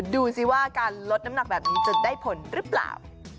ดูสิว่าการลดน้ำหนักแบบนี้จะได้ผลหรือเปล่า